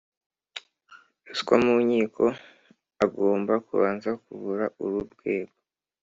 Ruswa mu nkiko agomba kubanza kuvura uru rwego.